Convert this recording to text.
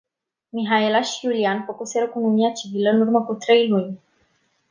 Mihaela și Iulian făcuseră cununia civilă în urmă cu trei luni.